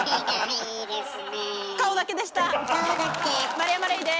丸山礼です。